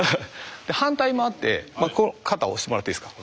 反対もあって肩押してもらっていいですか？